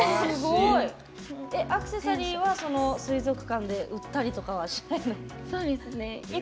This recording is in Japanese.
アクセサリーは水族館で売ったりとかはしない？